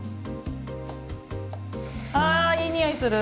あいい匂いする！